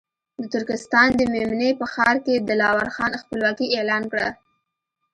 د ترکستان د مېمنې په ښار کې دلاور خان خپلواکي اعلان کړه.